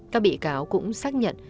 các bị cáo cũng xác nhận